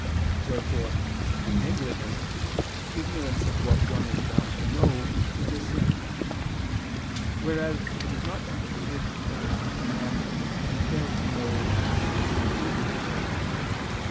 Wherefore through negligence, ignorance of what one is bound to know, is a sin; whereas it is not imputed as a sin to man, if he fails to know what he is unable to know.